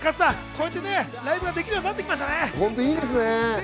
ライブができるようになってきましたね。